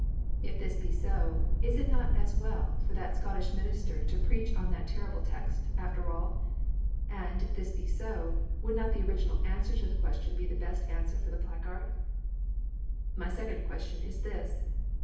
If this be so, is it not as well for that Scottish minister to preach on that terrible text, after all? And, if this be so, would not the original answer to the question be the best answer for the placard? My second question is this.